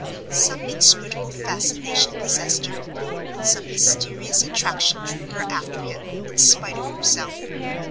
Some inscrutable fascination possessed her, some mysterious attraction drew her after him, in spite of herself.